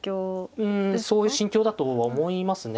うんそういう心境だと思いますね。